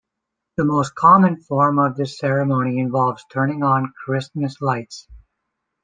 The most common form of the ceremony involves turning on Christmas lights.